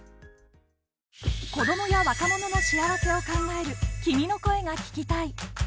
子どもや若者の幸せを考える「君の声が聴きたい」。